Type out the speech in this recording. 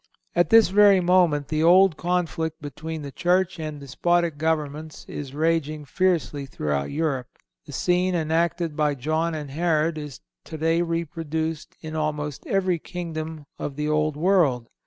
At this very moment the old conflict between the Church and despotic governments is raging fiercely throughout Europe. The scene enacted by John and Herod is today reproduced in almost every kingdom of the old world.